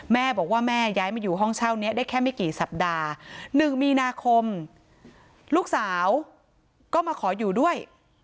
แม่บอกว่าแม่ย้ายมาอยู่ห้องเช่านี้ได้แค่ไม่กี่สัปดาห์๑มีนาคมลูกสาวก็มาขออยู่ด้วย